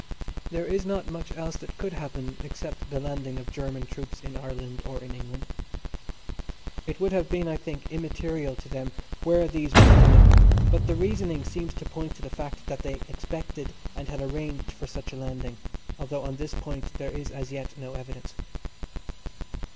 There is not much else that could happen except the landing of German troops in Ireland or in England. It would have been, I think, immaterial to them where these were landed, but the reasoning seems to point to the fact that they expected and had arranged for such a landing, although on this point there is as yet no evidence.